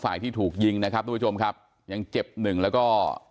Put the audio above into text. ที่ถูกยิงนะครับทุกผู้ชมครับยังเจ็บหนึ่งแล้วก็